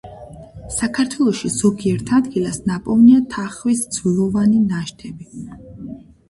საქართველოში, ზოგიერთ ადგილას ნაპოვნია თახვის ძვლოვანი ნაშთები.